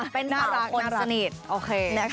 เป็นสาวคนสนิทโอเค